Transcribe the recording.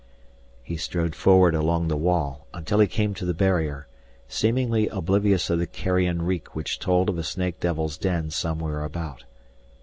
He strode forward along the wall until he came to the barrier, seemingly oblivious of the carrion reek which told of a snake devil's den somewhere about.